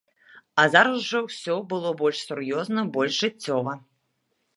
А зараз ужо ўсё будзе больш сур'ёзна, больш жыццёва.